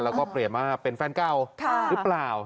แล้วก็เปลี่ยนมาเป็นแฟนเก่าหรือเปล่า